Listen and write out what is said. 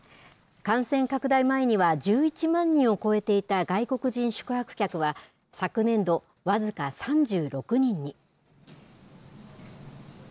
感染拡大前には１１万人を超えていた外国人宿泊客は、昨年度、僅か３６人に。